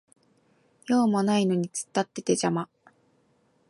用もないのに突っ立ってて邪魔